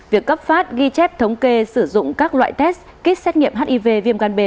việc cấp phát ghi chép thống kê sử dụng các loại test kích xét nghiệm hiv viêm gan bề